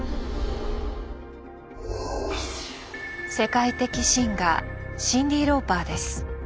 世界的シンガーシンディ・ローパーです。